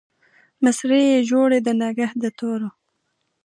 مسرۍ يې جوړې د نګهت د تورو